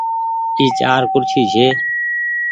اي چآر ڪُرسي ڇي۔